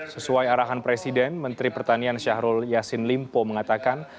sesuai arahan presiden menteri pertanian syahrul yassin limpo mengatakan